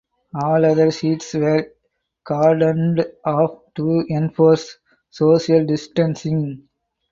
All other seats were cordoned off to enforce social distancing.